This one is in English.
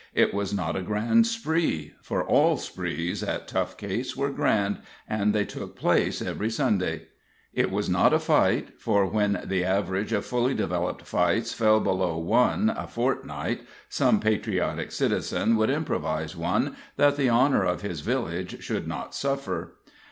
It was not a grand spree, for all sprees at Tough Case were grand, and they took place every Sunday. It was not a fight, for when the average of fully developed fights fell below one a fortnight, some patriotic citizen would improvise one, that the honor of his village should not suffer.